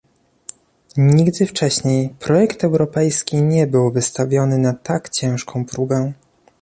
Nigdy wcześniej projekt europejski nie był wystawiony na tak ciężką próbę